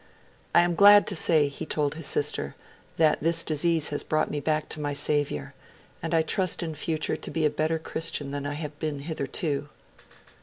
'I am glad to say,' he told his sister, 'that this disease has brought me back to my Saviour, and I trust in future to be a better Christian than I have been hitherto.'